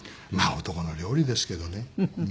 まあ男の料理ですけどね。